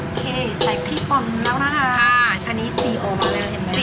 โอเคใส่พลีปอนด์แล้วนะคะอันนี้สีออกมาแล้วเห็นไหม